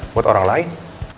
buat orang lain